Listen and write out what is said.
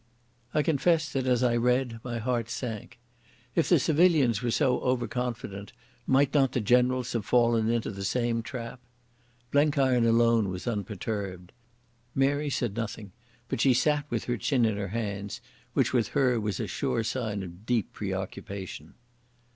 I confess that as I read my heart sank. If the civilians were so over confident, might not the generals have fallen into the same trap? Blenkiron alone was unperturbed. Mary said nothing, but she sat with her chin in her hands, which with her was a sure sign of deep preoccupation.